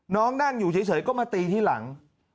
นั่งอยู่เฉยก็มาตีที่หลัง